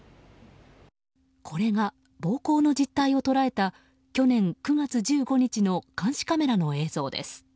これが、暴行の実態を捉えた去年９月１５日の監視カメラの映像です。